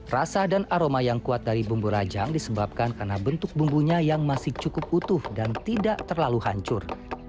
rasa dan aroma yang kuat dari bumbu rajang disebabkan karena bentuk bumbunya yang masih cukup utuh dan tidak terlalu hancur